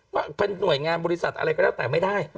ว่าเป็นหน่วยงานบริษัทอะไรก็แล้วแต่ไม่ได้